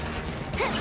フッ！